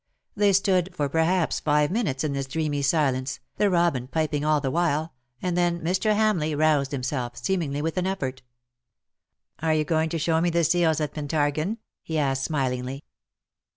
They stocfd for perhaps five minutes in this dreamy silence, the robin piping all the while ; and then Mr Hamleigh roused himself, seemingly with an effort. " Are you going to show me the seals at Pentargon?'' he asked, smilingly.